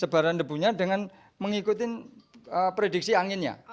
sebaran debunya dengan mengikuti prediksi anginnya